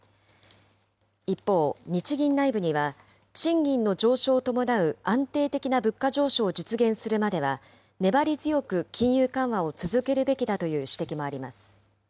一方、日銀内部には賃金の上昇を伴う安定的な物価上昇を実現するまでは、粘り強く金融緩和を続けるべきだという指摘もあります。